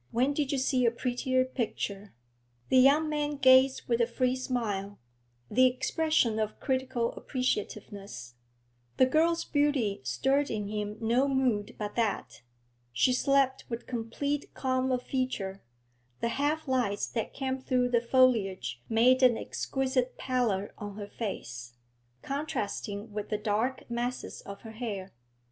'When did you see a prettier picture?' The young man gazed with a free smile, the expression of critical appreciativeness. The girl's beauty stirred in him no mood but that. She slept with complete calm of feature the half lights that came through the foliage made an exquisite pallor on her face, contrasting with the dark masses of her hair.